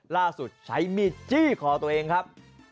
ล่าสุดใช้มีดจี้คอตัวเองครับ